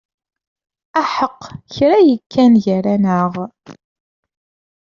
Aḥeq kra yekkan gar-aneɣ.